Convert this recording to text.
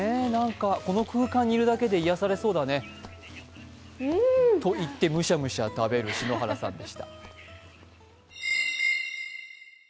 この空間にいるだけで癒やされそうだねといって、むしゃむしゃ食べる篠原さんでした。